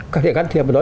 có thể can thiệp vào đó